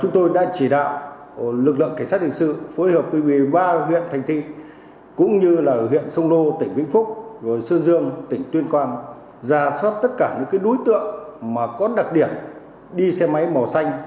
tuyên quan giả soát tất cả những đối tượng có đặc điểm đi xe máy màu xanh